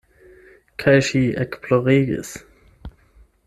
Kaj ŝi ekploregis.